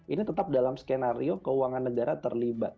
ini tetap dalam skenario keuangan negara terlibat